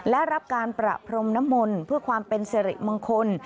และรับการประพรมนมลความเป็นเสร็จบังคล